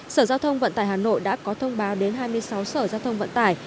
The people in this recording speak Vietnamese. sở giao thông vận tải hà nội đã có thông báo đến hai mươi sáu sở giao thông vận tải